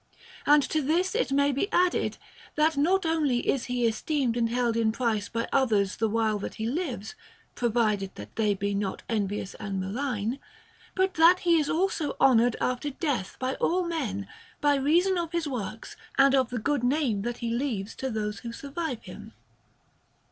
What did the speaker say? And to this it may be added that not only is he esteemed and held in price by others the while that he lives, provided that they be not envious and malign, but that he is also honoured after death by all men, by reason of his works and of the good name that he leaves to those who survive him.